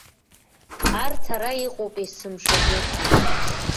Арҭ ара иҟоуп есымшагьы.